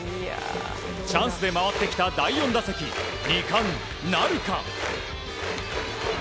チャンスで回ってきた第４打席２冠なるか。